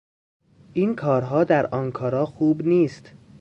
این کارها در آنکارا خوب نیست